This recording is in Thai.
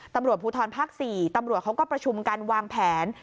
ตำรวจภูทรภาค๔ตำรวจเขาก็ประชุมกันวางแผน